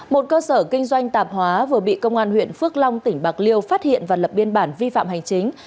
một cơ sở kinh doanh tạp hóa vừa bị công an huyện phước long tỉnh bạc liêu phát hiện và lập biên bản vi phạm hành chính